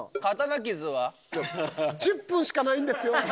１０分しかないんですよ